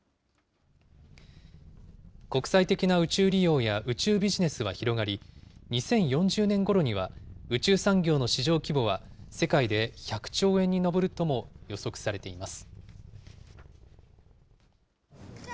国際的な宇宙利用や宇宙ビジネスは広がり、２０４０年ごろには、宇宙産業の市場規模は世界で１００兆円に上るとも予測されています。